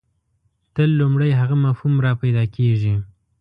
تل لومړی هغه مفهوم راپیدا کېږي.